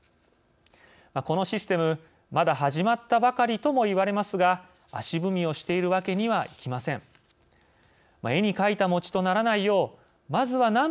このシステム「まだ始まったばかり」とも言われますが足踏みをしているわけにはいきません。